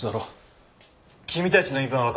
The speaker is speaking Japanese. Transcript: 君たちの言い分は分かった。